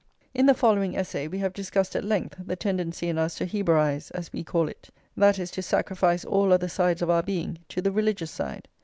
In the following essay we have discussed at length the tendency in us to Hebraise, as we call it; that is, to sacrifice all other sides of our being to the religious side.